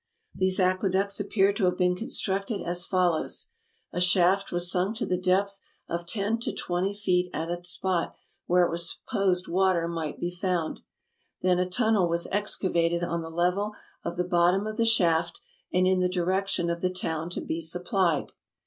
These aqueducts appear to have been constructed as follows: A shaft was sunk to the depth of ten to twenty feet at a spot where it was supposed water might be found ; then a tunnel was excavated on the level of the bottom of the shaft, and in the direction of the town to be supplied.